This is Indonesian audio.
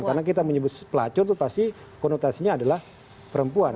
karena kita menyebut pelacur itu pasti konotasinya adalah perempuan